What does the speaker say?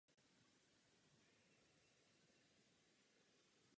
Pochází ze soukromých sbírek Lichtenštejnů.